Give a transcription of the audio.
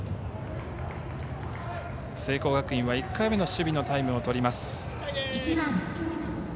聖光学院は１回目の守備のタイムをとります。